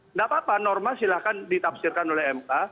tidak apa apa norma silahkan ditafsirkan oleh ma